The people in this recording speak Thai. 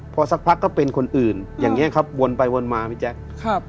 พอสักพักก็เป็นคนอื่นอย่างนี้ครับวนไปวนมาพี่แจ๊คครับ